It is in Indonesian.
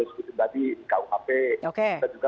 kita sebutin tadi kuhp kita juga